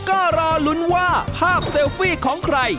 ก็รอลุ้นว่าภาพเซลฟี่ของใคร